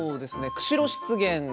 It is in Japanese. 釧路湿原